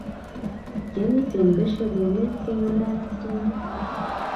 Kiamiten pesho bomet kengalalak tuan